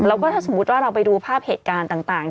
แล้วก็ถ้าสมมุติว่าเราไปดูภาพเหตุการณ์ต่าง